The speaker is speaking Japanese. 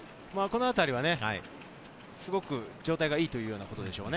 このあたりはすごく状態がいいということでしょうね。